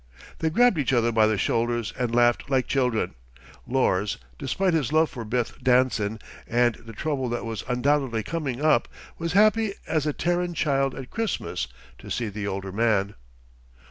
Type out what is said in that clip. They grabbed each other by the shoulders and laughed like children. Lors, despite his love for Beth Danson and the trouble that was undoubtedly coming up, was happy as a Terran child at Christmas to see the older man.